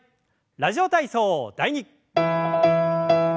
「ラジオ体操第２」。